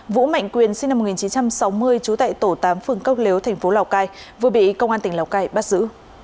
vũ mạnh quyền sinh năm một nghìn chín trăm sáu mươi trú tại tổ tám phường cốc lếu tp lào cai vừa bị công an tỉnh lào cai bắt giữ